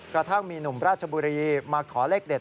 กระทั่งมีหนุ่มราชบุรีมาขอเลขเด็ด